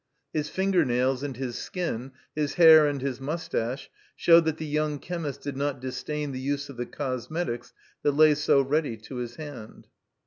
His finger nails and his skin, his hair and his mustache showed that the yotmg chemist did not disdain the use of the cosmet ics that lay so ready to his hand.